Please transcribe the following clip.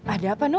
ada apa nu